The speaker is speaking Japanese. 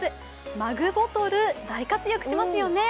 マグボトル、大活躍しますよね。